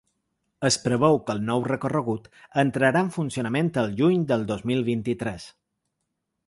Es preveu que el nou recorregut entrarà en funcionament el juny del dos mil vint-i-tres.